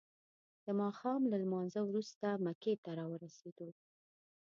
د ماښام له لمانځه وروسته مکې ته راورسیدو.